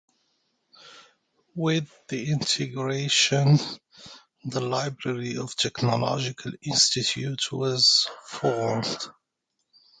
With the integration, the Library of Technological Institute was formed.